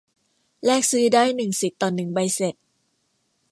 แลกซื้อได้หนึ่งสิทธิ์ต่อหนึ่งใบเสร็จ